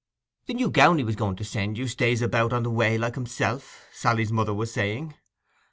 'The new gown he was going to send you stays about on the way like himself,' Sally's mother was saying.